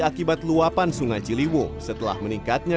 akibat luapan sungai ciliwung setelah meningkatnya